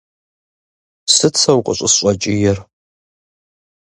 Сыт сэ укъыщӏысщӏэкӏиер?